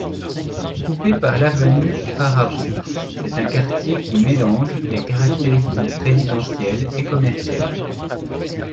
Coupé par l'avenue Farrapos, c'est un quartier qui mélange les caractéristiques résidentielles et commerciales.